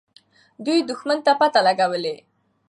دوی دښمن ته پته لګولې.